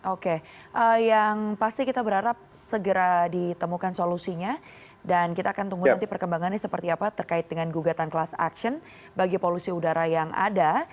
oke yang pasti kita berharap segera ditemukan solusinya dan kita akan tunggu nanti perkembangannya seperti apa terkait dengan gugatan class action bagi polusi udara yang ada